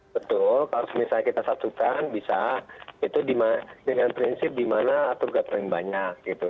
betul kalau misalnya kita satukan bisa itu dengan prinsip di mana tugas paling banyak